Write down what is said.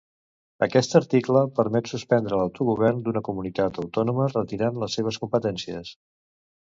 Aquest article permet suspendre l'autogovern d'una comunitat autònoma retirant les seves competències.